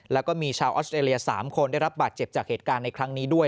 แล้วก็มีชาวออสเตรเลีย๓คนได้รับบาดเจ็บจากเหตุการณ์ในครั้งนี้ด้วย